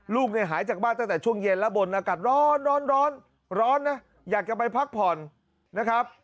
ลูกเนี่ยหายจากบ้านตั้งแต่ช่วงเย็นแล้วบนอากาศร้อนร้อนนะอยากจะไปพักผ่อนนะครับ